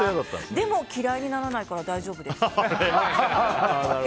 でも嫌いにならないから大丈夫です。